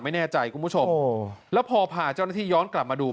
ไม่แน่ใจคุณผู้ชมแล้วพอพาเจ้าหน้าที่ย้อนกลับมาดู